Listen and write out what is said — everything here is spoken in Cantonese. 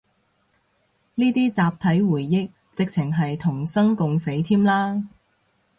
呢啲集體回憶，直程係同生共死添啦